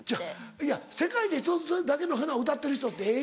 いや『世界に一つだけの花』歌ってる人ってええ